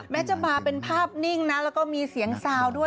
แม้จะมาเป็นภาพนิ่งนะแล้วก็มีเสียงซาวด้วย